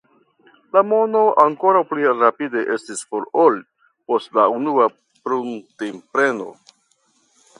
La mono ankoraŭ pli rapide estis for ol post la unua pruntepreno.